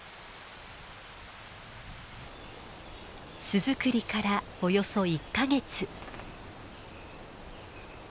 巣作りからおよそ１か月。